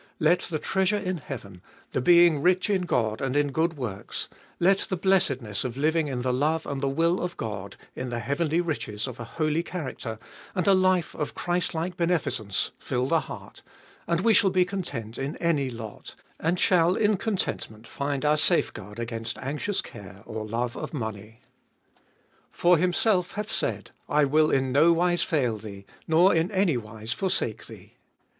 Let the treasure in heaven, the being rich in God and in good works, let the blessedness of living in the love and the will of God, in the heavenly riches of a holy character, and a life of Christlike beneficence, fill the heart, and we shall be content in any lot, and shall in content ment find our safeguard against anxious care or love of money. Ebe Dollest of ail 523 For Himself hath said, I will in no wise fail thee, nor in any wise forsake thee.